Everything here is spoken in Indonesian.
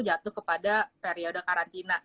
jatuh kepada periode karantina